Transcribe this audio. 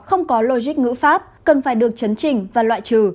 không có logic ngữ pháp cần phải được chấn trình và loại trừ